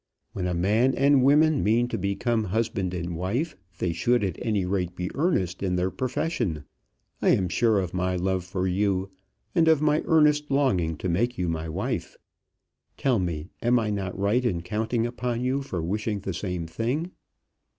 When a man and woman mean to become husband and wife, they should at any rate be earnest in their profession. I am sure of my love for you, and of my earnest longing to make you my wife. Tell me; am I not right in counting upon you for wishing the same thing?